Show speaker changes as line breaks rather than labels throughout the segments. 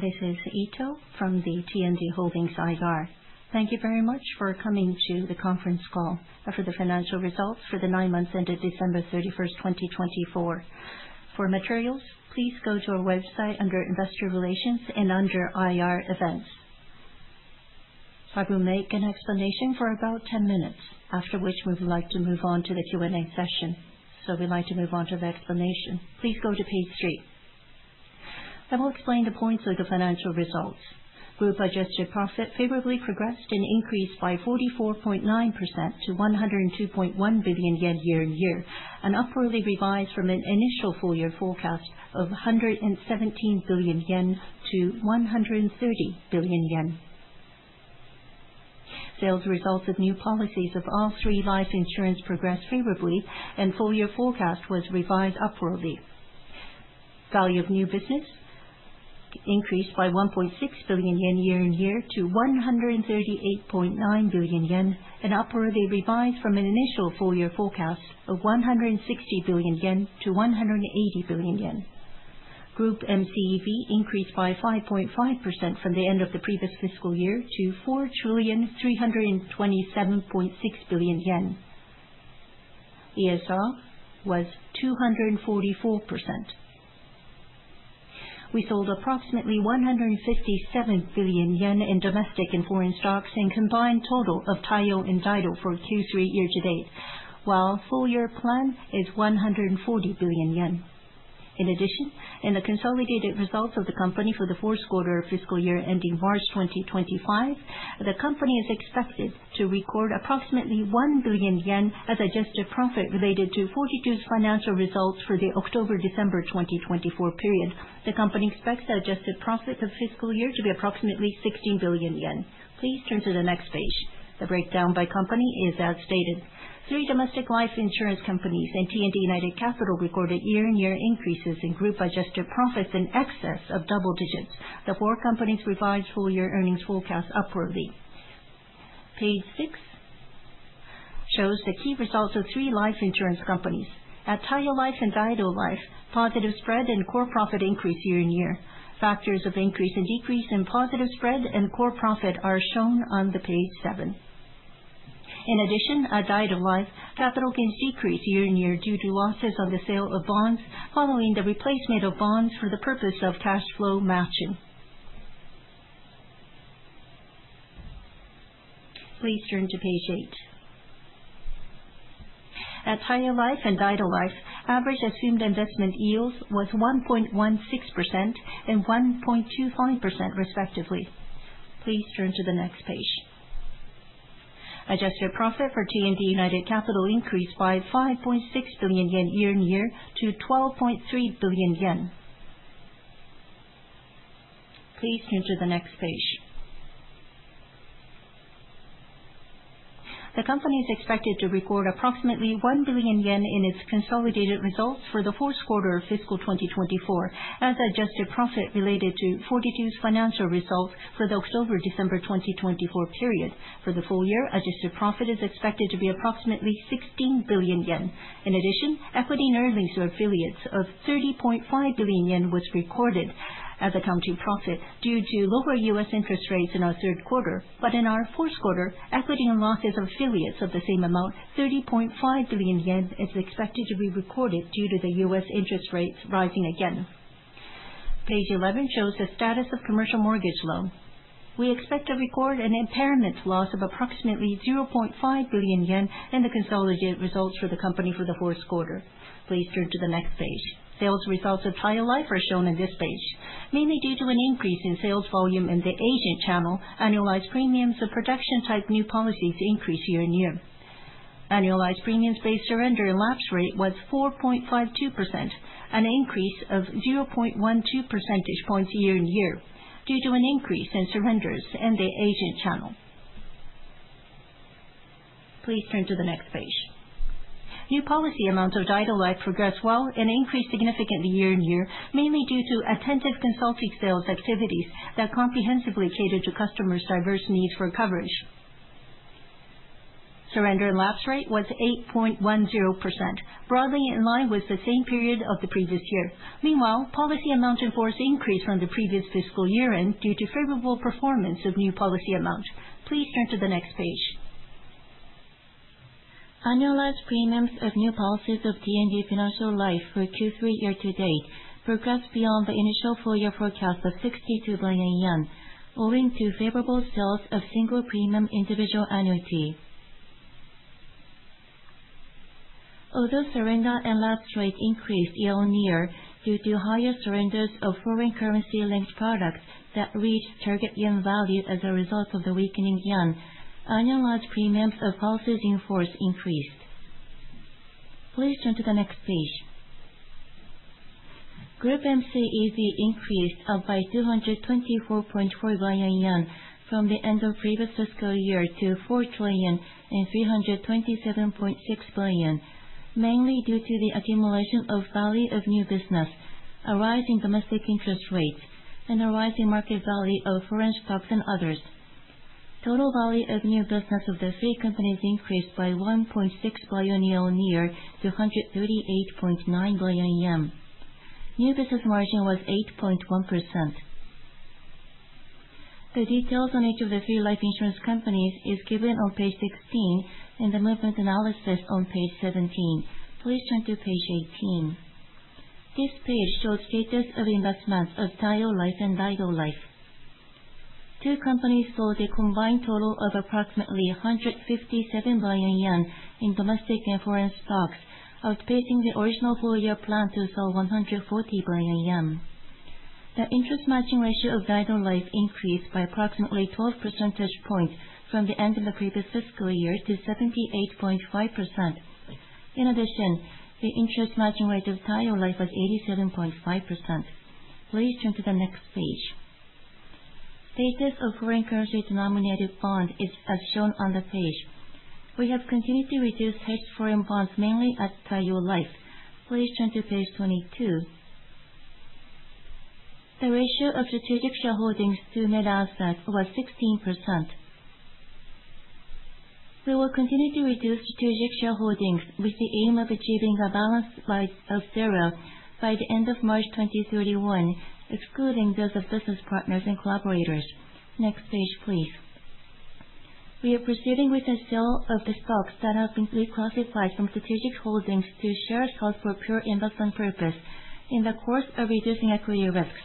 This is Ito from the T&D Holdings IR. Thank you very much for coming to the conference call for the financial results for the nine months ended December 31st, 2024. For materials, please go to our website under Investor Relations and under IR Events. I will make an explanation for about 10 minutes, after which we would like to move on to the Q&A session. So we'd like to move on to the explanation. Please go to page three. I will explain the points of the financial results. Group adjusted profit favorably progressed and increased by 44.9% to 102.1 billion yen year-on-year, an upwardly revised from an initial full-year forecast of 117 billion yen to 130 billion yen. Sales results of new policies of all three life insurance progressed favorably, and full-year forecast was revised upwardly. Value of new business increased by 1.6 billion yen year-on-year to 138.9 billion yen, an upward revision from an initial full-year forecast of 160 billion-180 billion yen. Group MCEV increased by 5.5% from the end of the previous fiscal year to 4,327,600,000,000 yen. ESR was 244%. We sold approximately 157 billion yen in domestic and foreign stocks, combined total of Taiyo and Daido for Q3 year-to-date, while full-year plan is 140 billion yen. In addition, in the consolidated results of the company for the fourth quarter of fiscal year ending March 2025, the company is expected to record approximately 1 billion yen as adjusted profit related to Fortitude's financial results for the October-December 2024 period. The company expects the adjusted profit of fiscal year to be approximately 16 billion yen. Please turn to the next page. The breakdown by company is as stated. Three domestic life insurance companies and T&D United Capital recorded year-on-year increases in group adjusted profits in excess of double digits. The four companies revised full-year earnings forecast upwardly. Page six shows the key results of three life insurance companies. At Taiyo Life and Daido Life, positive spread and core profit increase year-on-year. Factors of increase and decrease in positive spread and core profit are shown on page seven. In addition, at Daido Life, capital gains decrease year-on-year due to losses on the sale of bonds following the replacement of bonds for the purpose of cash flow matching. Please turn to page eight. At Taiyo Life and Daido Life, average assumed investment yield was 1.16% and 1.25% respectively. Please turn to the next page. Adjusted profit for T&D United Capital increased by 5.6 billion yen year-on-year to 12.3 billion yen. Please turn to the next page. The company is expected to record approximately 1 billion yen in its consolidated results for the fourth quarter of fiscal 2024, as adjusted profit related to 42's financial results for the October-December 2024 period. For the full-year, adjusted profit is expected to be approximately 16 billion yen. In addition, equity and earnings of affiliates of 30.5 billion yen was recorded as accounting profit due to lower U.S. interest rates in our third quarter, but in our fourth quarter, equity and losses of affiliates of the same amount, 30.5 billion yen, is expected to be recorded due to the U.S. interest rates rising again. Page 11 shows the status of commercial mortgage loan. We expect to record an impairment loss of approximately 0.5 billion yen in the consolidated results for the company for the fourth quarter. Please turn to the next page. Sales results of Taiyo Life are shown on this page. Mainly due to an increase in sales volume in the agent channel, annualized premiums of production-type new policies increase year-on-year. Annualized premiums-based surrender and lapse rate was 4.52%, an increase of 0.12 percentage points year-on-year due to an increase in surrenders in the agent channel. Please turn to the next page. New policy amounts of Daido Life progress well and increase significantly year-on-year, mainly due to attentive consulting sales activities that comprehensively cater to customers' diverse needs for coverage. Surrender and lapse rate was 8.10%, broadly in line with the same period of the previous year. Meanwhile, policy amounts in force increased from the previous fiscal year-end due to favorable performance of new policy amounts. Please turn to the next page. Annualized premiums of new policies of T&D Financial Life for Q3 year-to-date progressed beyond the initial full-year forecast of 62 billion yen, owing to favorable sales of single premium individual annuity. Although surrender and lapse rate increased year-on-year due to higher surrenders of foreign currency-linked products that reached target yen value as a result of the weakening yen, annualized premiums of policies in force increased. Please turn to the next page. Group MCEV increased by 224.4 billion yen from the end of previous fiscal year to 4,327,600,000,000, mainly due to the accumulation of value of new business, a rising domestic interest rates, and a rising market value of foreign stocks and others. Total value of new business of the three companies increased by 1.6 billion year-on-year to 138.9 billion yen. New business margin was 8.1%. The details on each of the three life insurance companies are given on page 16 in the movement analysis on page 17. Please turn to page 18. This page shows status of investments of Taiyo Life and Daido Life. Two companies sold a combined total of approximately 157 billion yen in domestic and foreign stocks, outpacing the original full-year plan to sell 140 billion yen. The interest matching ratio of Daido Life increased by approximately 12 percentage points from the end of the previous fiscal year to 78.5%. In addition, the interest matching rate of Taiyo Life was 87.5%. Please turn to the next page. Status of foreign currency-denominated bonds is as shown on the page. We have continued to reduce hedged foreign bonds mainly at Taiyo Life. Please turn to page 22. The ratio of strategic shareholdings to net assets was 16%. We will continue to reduce strategic shareholdings with the aim of achieving a balance by zero by the end of March 2031, excluding those of business partners and collaborators. Next page, please. We are proceeding with the sale of the stocks that have been pre-classified from strategic holdings to share sales for pure investment purposes in the course of reducing equity risks.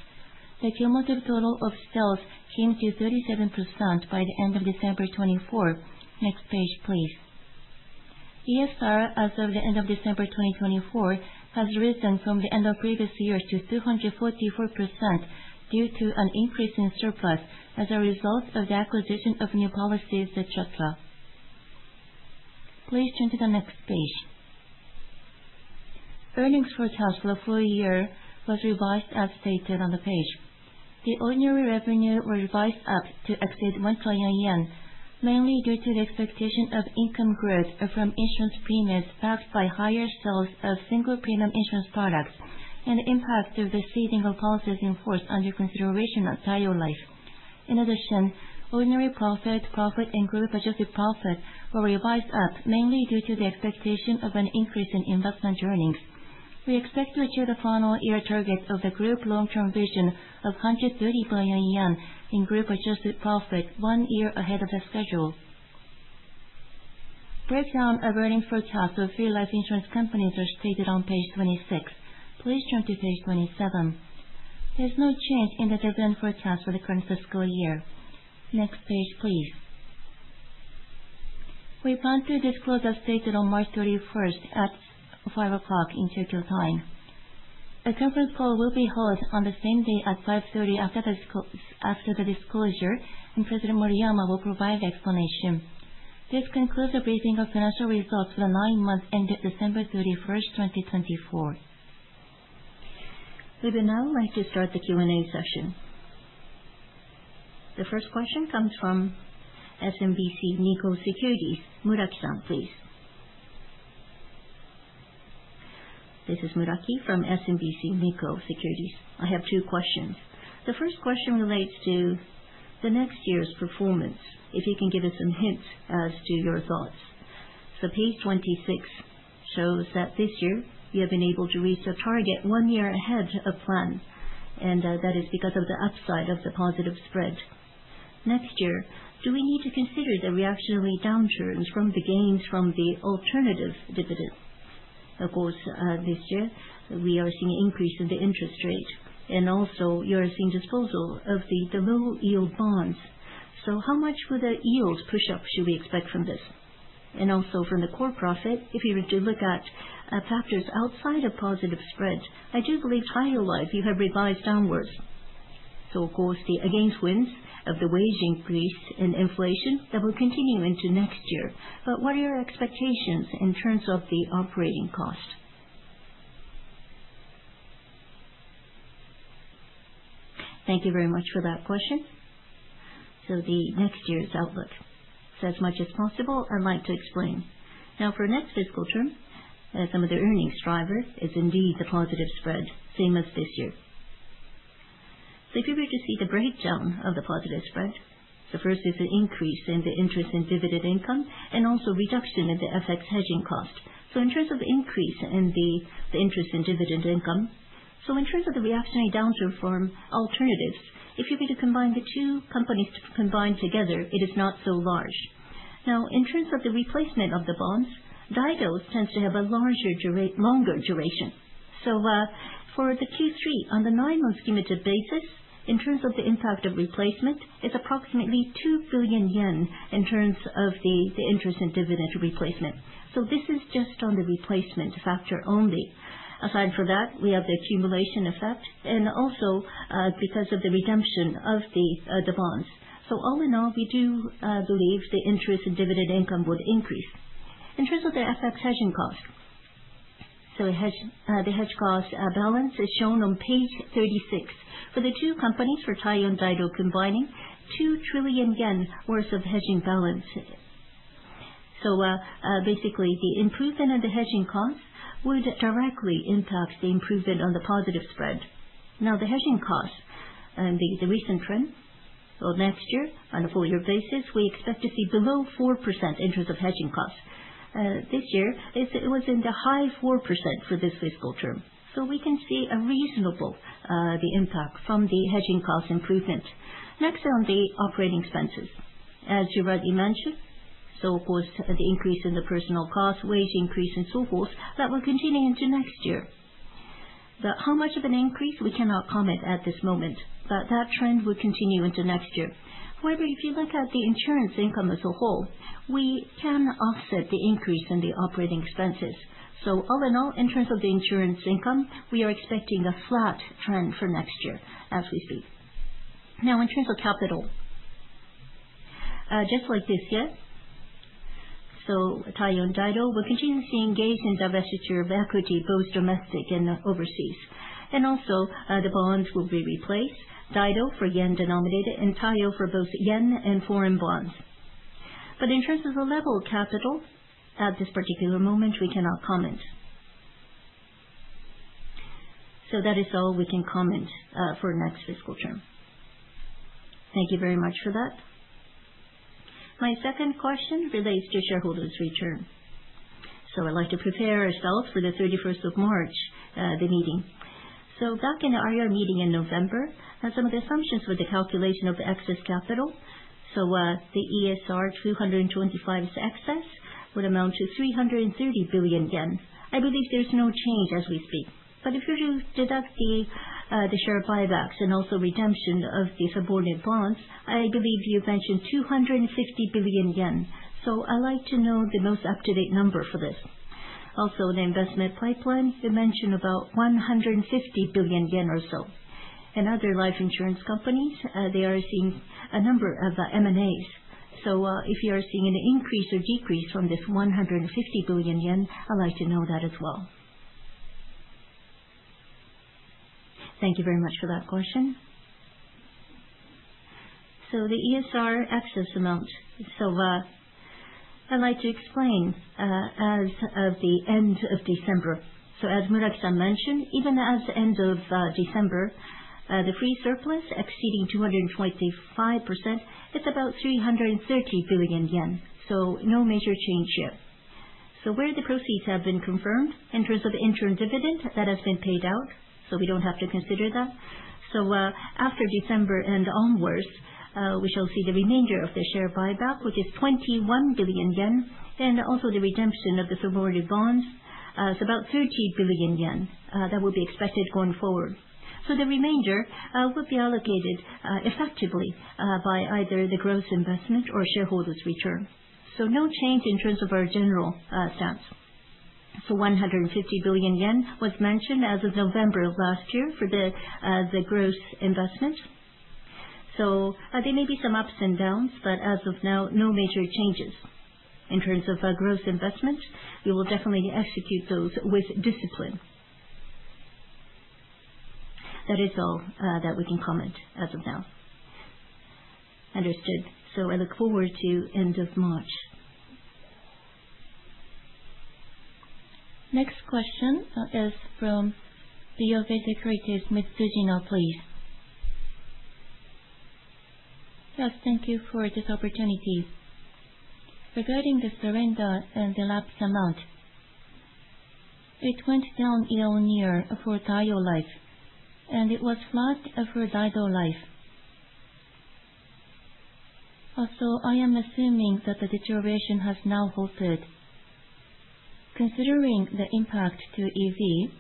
The cumulative total of sales came to 37% by the end of December 2024. Next page, please. ESR as of the end of December 2024 has risen from the end of previous year to 244% due to an increase in surplus as a result of the acquisition of new policies, et cetera. Please turn to the next page. Earnings for cash flow full-year was revised as stated on the page. The ordinary revenue was revised up to exceed one trillion yen, mainly due to the expectation of income growth from insurance premiums backed by higher sales of single premium insurance products and the impact of the ceding of policies enforced under consideration at Taiyo Life. In addition, ordinary profit, profit, and group adjusted profit were revised up mainly due to the expectation of an increase in investment earnings. We expect to achieve the final year target of the group long-term vision of 130 billion yen in group adjusted profit one year ahead of the schedule. Breakdown of earnings forecasts of three life insurance companies are stated on page 26. Please turn to page 27. There's no change in the dividend forecast for the current fiscal year. Next page, please. We plan to disclose as stated on March 31st at 5:00 P.M. Tokyo time. A conference call will be held on the same day at 5:30 P.M. after the disclosure, and President Moriyama will provide the explanation. This concludes the briefing of financial results for the nine months ended December 31st, 2024.
We would now like to start the Q&A session. The first question comes from SMBC Nikko Securities. Muraki-san, please.
This is Muraki from SMBC Nikko Securities. I have two questions. The first question relates to the next year's performance, if you can give us some hints as to your thoughts. So page 26 shows that this year you have been able to reach a target one year ahead of plan, and that is because of the upside of the positive spread. Next year, do we need to consider the reactionary downturns from the gains from the alternative dividend? Of course, this year we are seeing an increase in the interest rate, and also you are seeing disposal of the low-yield bonds. So, how much will the yield push up should we expect from this? And also from the core profit, if you were to look at factors outside of positive spread, I do believe Taiyo Life you have revised downwards. So of course, the headwinds of the wage increase and inflation that will continue into next year. But what are your expectations in terms of the operating cost?
Thank you very much for that question. So the next year's outlook. So as much as possible, I'd like to explain. Now, for next fiscal term, some of the earnings driver is indeed the positive spread, same as this year. So if you were to see the breakdown of the positive spread, so first is the increase in the interest and dividend income and also reduction in the FX hedging cost. So in terms of the increase in the interest and dividend income. So in terms of the reactionary downturn from alternatives, if you were to combine the two companies to combine together, it is not so large. Now, in terms of the replacement of the bonds, Daido's tends to have a larger duration, longer duration. So for the Q3, on the nine-month cumulative basis, in terms of the impact of replacement, it's approximately 2 billion yen in terms of the interest and dividend replacement. So this is just on the replacement factor only. Aside from that, we have the accumulation effect and also because of the redemption of the bonds. All in all, we do believe the interest and dividend income would increase. In terms of the FX hedging cost, the hedge cost balance is shown on page 36. For the two companies, for Taiyo and Daido combining, 2 trillion yen worth of hedging balance. Basically, the improvement in the hedging cost would directly impact the improvement on the positive spread. Now, the hedging cost and the recent trend. Well, next year on a full-year basis, we expect to see below 4% in terms of hedging cost. This year, it was in the high 4% for this fiscal term. We can see a reasonable impact from the hedging cost improvement. Next, on the operating expenses, as you rightly mentioned. Of course, the increase in the personal cost, wage increase, and so forth, that will continue into next year. But how much of an increase, we cannot comment at this moment, but that trend would continue into next year. However, if you look at the insurance income as a whole, we can offset the increase in the operating expenses. So all in all, in terms of the insurance income, we are expecting a flat trend for next year as we speak. Now, in terms of capital, just like this year, so Taiyo and Daido will continue to be engaged in disposal of equity, both domestic and overseas. And also, the bonds will be replaced, Daido for yen denominated and Taiyo for both yen and foreign bonds. But in terms of the level of capital at this particular moment, we cannot comment. So that is all we can comment for next fiscal term.
Thank you very much for that. My second question relates to shareholders' return. I'd like to prepare ourselves for the 31st of March, the meeting. Back in the IR meeting in November, some of the assumptions for the calculation of excess capital, so the ESR 225's excess would amount to 330 billion yen. I believe there's no change as we speak. If you were to deduct the share buybacks and also redemption of the subordinate bonds, I believe you've mentioned 250 billion yen. I'd like to know the most up-to-date number for this. Also, the investment pipeline, you mentioned about 150 billion yen or so. Other life insurance companies, they are seeing a number of M&As. If you are seeing an increase or decrease from this 150 billion yen, I'd like to know that as well.
Thank you very much for that question. The ESR excess amount. I'd like to explain as of the end of December. As Muraki-san mentioned, even as the end of December, the free surplus exceeding 225%, it's about 330 billion yen. No major change here. Where the proceeds have been confirmed in terms of the interim dividend that has been paid out, we don't have to consider that. After December and onwards, we shall see the remainder of the share buyback, which is 21 billion yen, and also the redemption of the subordinated bonds, it's about 30 billion yen that will be expected going forward. The remainder would be allocated effectively by either the gross investment or shareholders' return. No change in terms of our general stance. 150 billion yen was mentioned as of November of last year for the gross investments. So there may be some ups and downs, but as of now, no major changes in terms of gross investment. We will definitely execute those with discipline. That is all that we can comment as of now.
Understood. So I look forward to end of March.
Next question is from BofA Securities Ms. Tsujino, please.
Yes, thank you for this opportunity. Regarding the surrender and the lapse amount, it went down earlier for Taiyo Life, and it was flat for Daido Life. Also, I am assuming that the deterioration has now halted. Considering the impact to EV,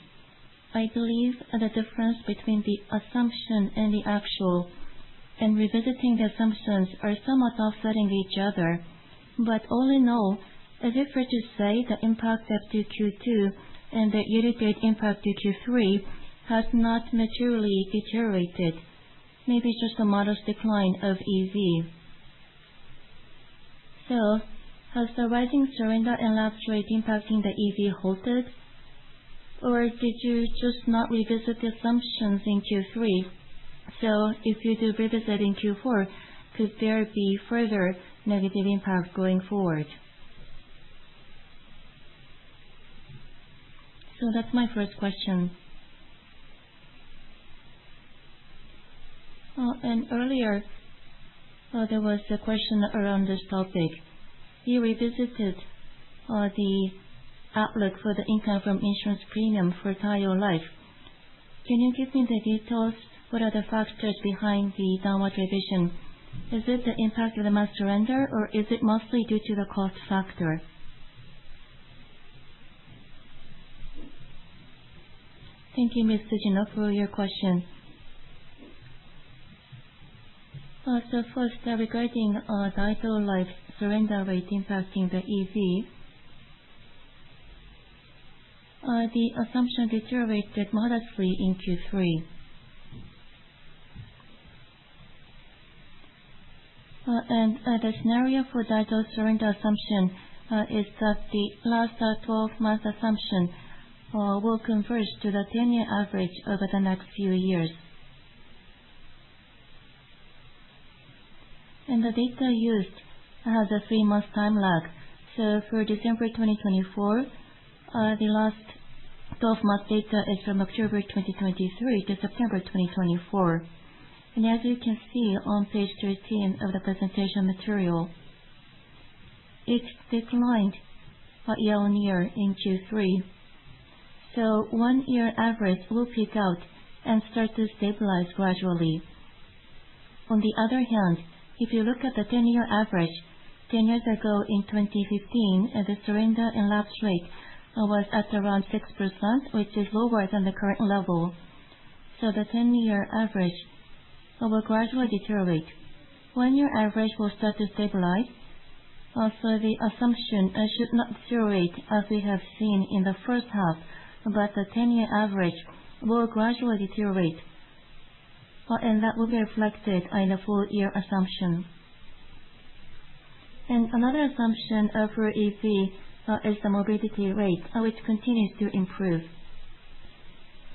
I believe the difference between the assumption and the actual and revisiting the assumptions are somewhat offsetting each other, but all in all, as if we're to say the impact of Q2 and the year-to-date impact to Q3 has not materially deteriorated, maybe just a modest decline of EV. Has the rising surrender and lapse rate impacting the EV halted, or did you just not revisit the assumptions in Q3? If you do revisit in Q4, could there be further negative impact going forward? That's my first question. Earlier, there was a question around this topic. You revisited the outlook for the income from insurance premium for Taiyo Life. Can you give me the details? What are the factors behind the downward revision? Is it the impact of the mass surrender, or is it mostly due to the cost factor?
Thank you, Ms. Tsujino, for your question. First, regarding Daido Life's surrender rate impacting the EV, the assumption deteriorated modestly in Q3. The scenario for Daido Life's surrender assumption is that the last 12-month assumption will converge to the 10-year average over the next few years. The data used has a three-month time lag. For December 2024, the last 12-month data is from October 2023 to September 2024. As you can see on page 13 of the presentation material, it declined earlier in Q3. One-year average will pick out and start to stabilize gradually. On the other hand, if you look at the 10-year average, 10 years ago in 2015, the surrender and lapse rate was at around 6%, which is lower than the current level. The 10-year average will gradually deteriorate. One-year average will start to stabilize. Also, the assumption should not deteriorate as we have seen in the first half, but the 10-year average will gradually deteriorate, and that will be reflected in the full-year assumption. Another assumption for EV is the morbidity rate, which continues to improve.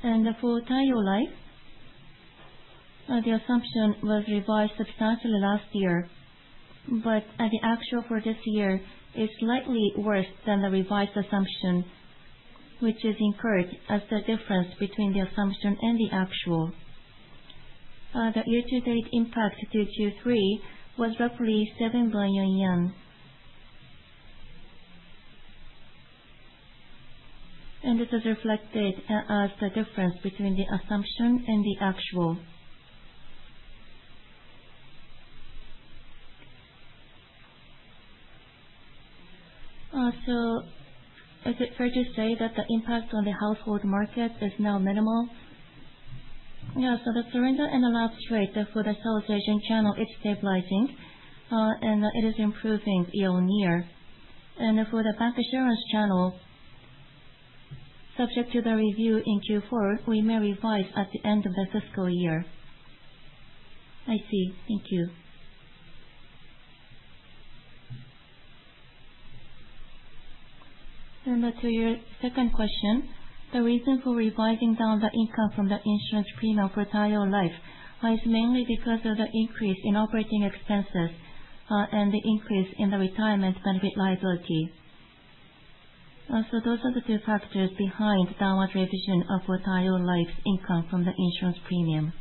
And for Taiyo Life, the assumption was revised substantially last year, but the actual for this year is slightly worse than the revised assumption, which is incurred as the difference between the assumption and the actual. The year-to-date impact due Q3 was roughly 7 billion yen. And this is reflected as the difference between the assumption and the actual.
Also, is it fair to say that the impact on the household market is now minimal?
Yeah, so the surrender and the lapse rate for the sales agent channel is stabilizing, and it is improving earlier. And for the bank assurance channel, subject to the review in Q4, we may revise at the end of the fiscal year.
I see. Thank you.
To your second question,
The reason for revising down the income from the insurance premium for Taiyo Life is mainly because of the increase in operating expenses and the increase in the retirement benefit liability. Those are the two factors behind downward revision for Taiyo Life's income from the insurance premium.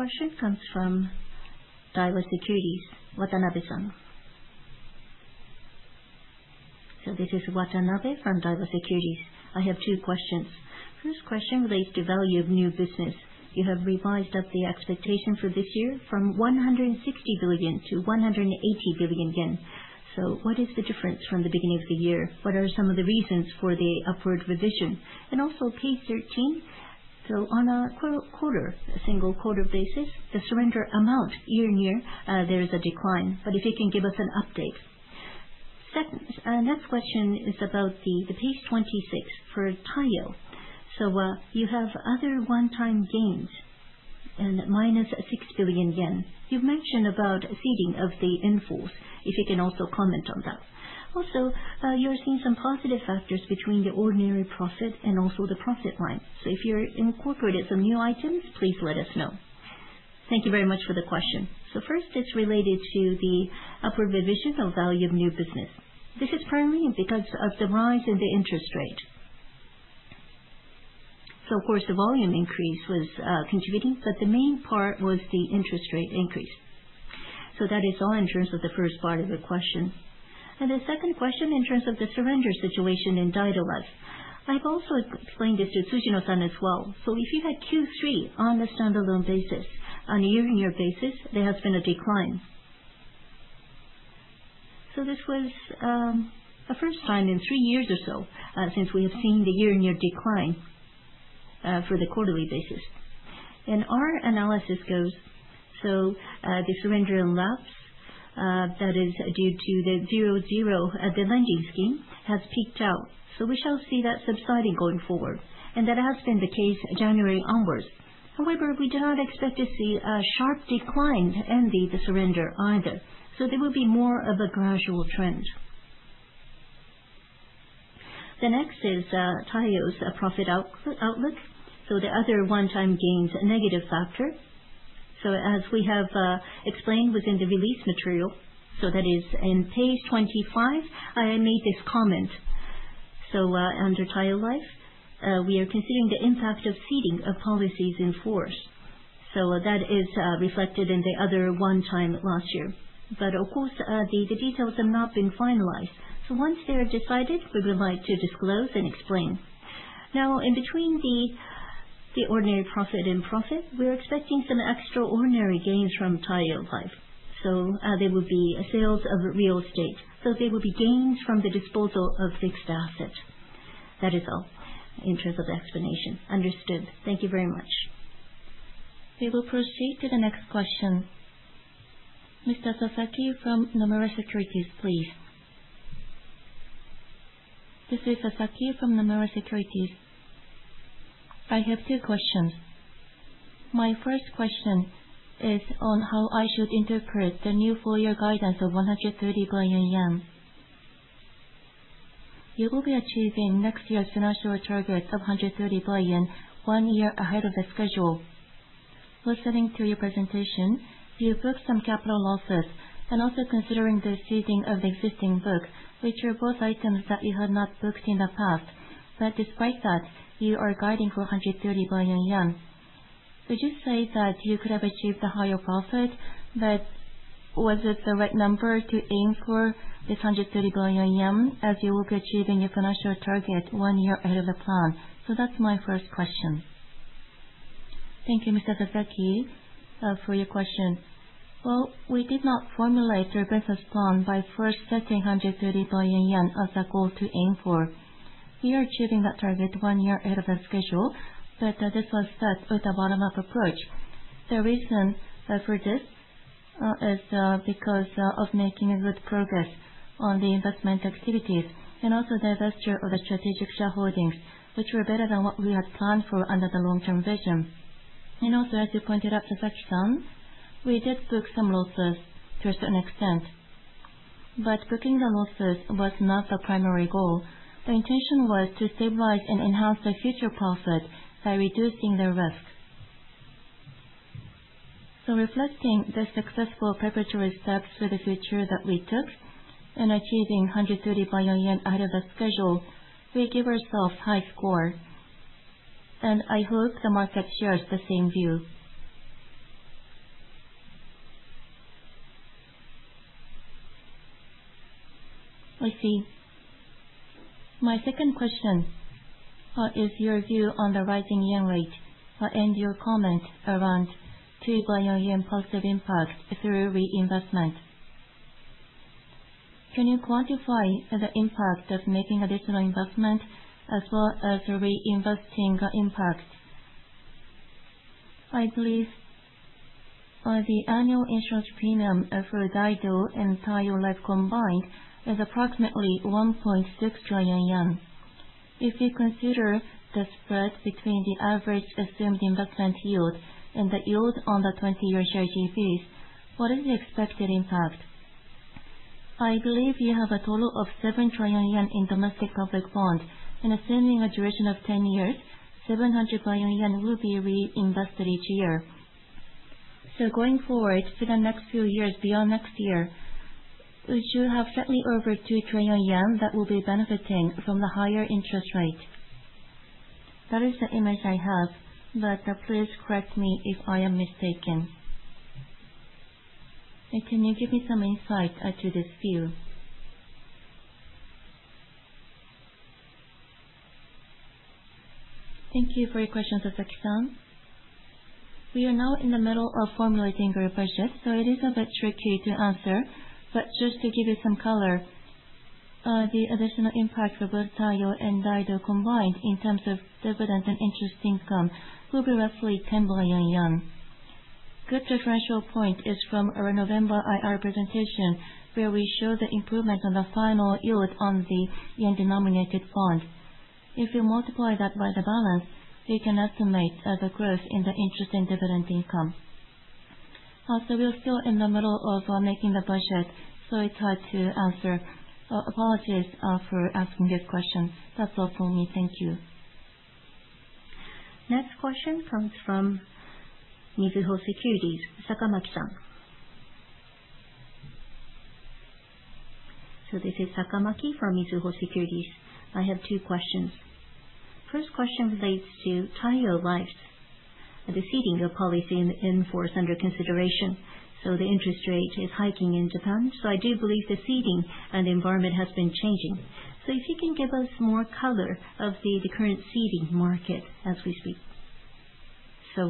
Next question comes from Daiwa Securities, Watanabe-san.
This is Watanabe from Daiwa Securities. I have two questions. First question relates to value of new business. You have revised up the expectation for this year from 160 billion to 180 billion yen. What is the difference from the beginning of the year? What are some of the reasons for the upward revision? Also page 13, on a quarter, a single quarter basis, the surrender amount year-on-year, there is a decline. But if you can give us an update. Second, next question is about page 26 for Taiyo. So you have other one-time gains and minus 6 billion yen. You've mentioned about seeding of the in-force. If you can also comment on that. Also, you're seeing some positive factors between the ordinary profit and also the profit line. So if you're incorporating some new items, please let us know.
Thank you very much for the question. So first, it's related to the upward revision of value of new business. This is primarily because of the rise in the interest rate. So of course, the volume increase was contributing, but the main part was the interest rate increase. So that is all in terms of the first part of the question. And the second question in terms of the surrender situation in Daido Life. I've also explained this to Tsujino-san as well. If you had Q3 on the standalone basis, on a year-on-year basis, there has been a decline. This was the first time in three years or so since we have seen the year-on-year decline for the quarterly basis. Our analysis goes. The surrender and lapse that is due to the zero-zero at the lending scheme has peaked out. We shall see that subsiding going forward. That has been the case January onwards. However, we do not expect to see a sharp decline in the surrender either. There will be more of a gradual trend. The next is Taiyo's profit outlook. The other one-time gains, negative factor. As we have explained within the release material, that is in page 25. I made this comment. Under Taiyo Life, we are considering the impact of seeding of policies in force. So that is reflected in the other one-time last year. But of course, the details have not been finalized. So once they are decided, we would like to disclose and explain. Now, in between the ordinary profit and profit, we're expecting some extraordinary gains from Taiyo Life. So there will be sales of real estate. So there will be gains from the disposal of fixed assets. That is all in terms of the explanation.
Understood. Thank you very much.
We will proceed to the next question. Ms. Takasaki from Nomura Securities, please.
This is Takasaki from Nomura Securities. I have two questions. My first question is on how I should interpret the new four-year guidance of 130 billion yen. You will be achieving next year's financial target of 130 billion one year ahead of the schedule. Listening to your presentation, you booked some capital losses. Also considering the seeding of the existing book, which are both items that you had not booked in the past. Despite that, you are guiding for 130 billion yen. Would you say that you could have achieved a higher profit? Was it the right number to aim for, this 130 billion yen, as you will be achieving your financial target one year ahead of the plan? That's my first question.
Thank you, Ms. Takasaki, for your question. We did not formulate the business plan by first setting 130 billion yen as a goal to aim for. We are achieving that target one year ahead of the schedule, but this was set with a bottom-up approach. The reason for this is because of making good progress on the investment activities and also the divestiture of the strategic shareholdings, which were better than what we had planned for under the long-term vision. And also, as you pointed out, Takasaki-san, we did book some losses to a certain extent. But booking the losses was not the primary goal. The intention was to stabilize and enhance the future profit by reducing the risk. So reflecting the successful preparatory steps for the future that we took and achieving 130 billion yen ahead of the schedule, we give ourselves a high score. And I hope the market shares the same view.
I see. My second question is your view on the rising interest rate and your comment around 2 billion yen positive impact through reinvestment. Can you quantify the impact of making additional investment as well as reinvesting impact?
I believe the annual insurance premium for Daido and Taiyo Life combined is approximately 1.6 trillion yen. If you consider the spread between the average assumed investment yield and the yield on the 20-year JGBs, what is the expected impact? I believe you have a total of 7 trillion yen in domestic public bonds. And assuming a duration of 10 years, 700 billion yen will be reinvested each year.
So going forward to the next few years beyond next year, would you have slightly over 2 trillion yen that will be benefiting from the higher interest rate? That is the image I have, but please correct me if I am mistaken. And can you give me some insight to this view?
Thank you for your question, Takasaki-san. We are now in the middle of formulating our budget, so it is a bit tricky to answer. But just to give you some color, the additional impact for both Taiyo and Daido combined in terms of dividend and interest income will be roughly 10 billion. Good differential point is from our November IR presentation, where we show the improvement on the final yield on the yen-denominated bond. If you multiply that by the balance, you can estimate the growth in the interest and dividend income. So we're still in the middle of making the budget, so it's hard to answer.
Apologies for asking this question. That's all for me. Thank you.
Next question comes from Mizuho Securities, Sakamaki-san.
So this is Sakamaki from Mizuho Securities. I have two questions. First question relates to Taiyo Life's seeding of policies in force under consideration. So the interest rate is hiking in Japan. So I do believe the seeding environment has been changing. So if you can give us more color of the current seeding market as we speak. So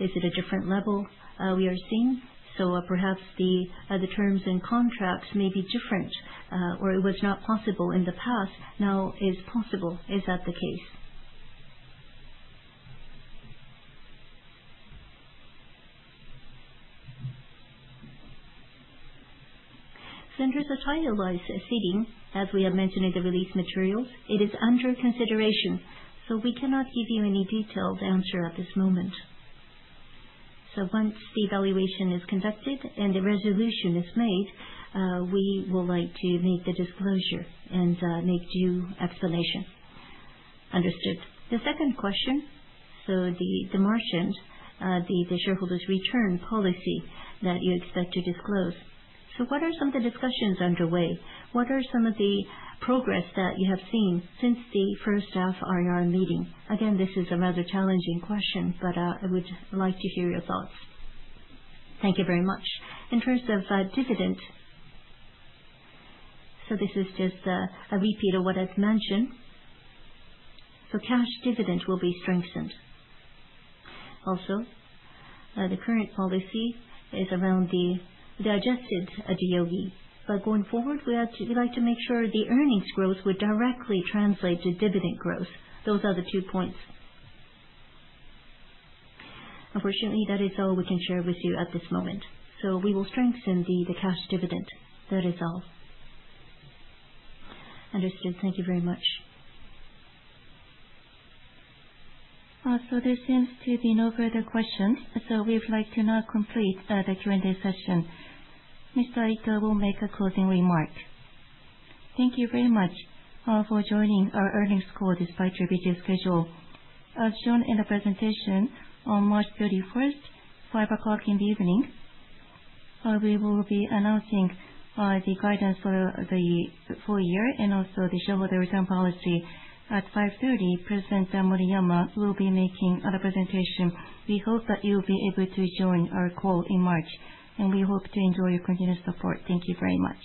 is it a different level we are seeing? So perhaps the terms and contracts may be different or it was not possible in the past, now is possible. Is that the case?
So in terms of Taiyo Life's seeding, as we have mentioned in the release materials, it is under consideration. So we cannot give you any detailed answer at this moment. So once the evaluation is conducted and the resolution is made, we would like to make the disclosure and make due explanation.
Understood. The second question, so the margin, the shareholders' return policy that you expect to disclose. So what are some of the discussions underway? What are some of the progress that you have seen since the first half IR meeting? Again, this is a rather challenging question, but I would like to hear your thoughts.
Thank you very much. In terms of dividend, so this is just a repeat of what I've mentioned. So cash dividend will be strengthened. Also, the current policy is around the digested DOE. But going forward, we'd like to make sure the earnings growth would directly translate to dividend growth. Those are the two points. Unfortunately, that is all we can share with you at this moment. So we will strengthen the cash dividend. That is all.
Understood. Thank you very much.
So there seems to be no further questions. So we would like to now complete the Q&A session. Mr. Ito will make a closing remark.
Thank you very much for joining our earnings call despite a busy schedule. As shown in the presentation on March 31st at 5:00 P.M., we will be announcing the guidance for the full year and also the shareholder return policy at 5:30 P.M. President Moriyama will be making a presentation. We hope that you will be able to join our call in March. We hope to enjoy your continued support. Thank you very much.